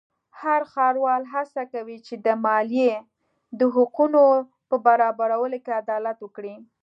هر ښاروال هڅه کوي چې د مالیې د حقونو په برابرولو کې عدالت وکړي.